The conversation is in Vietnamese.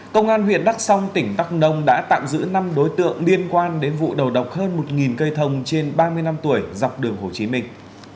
công an huyện đắk song tỉnh đắk nông đã tạm giữ năm đối tượng liên quan đến vụ đầu độc hơn một cây thông trên ba mươi năm tuổi dọc đường hồ chí minh